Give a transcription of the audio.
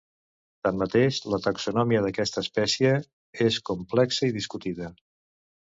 Tanmateix, la taxonomia d'aquesta espècie és complexa i discutida.